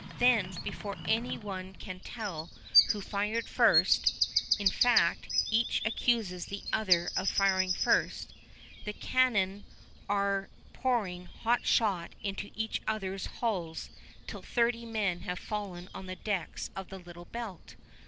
Then, before any one can tell who fired first (in fact, each accuses the other of firing first), the cannon are pouring hot shot into each other's hulls till thirty men have fallen on the decks of the Little Belt.